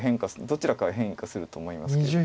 どちらかが変化すると思いますけど。